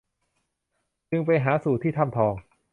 จึงไปหาสู่ที่ถ้ำทอง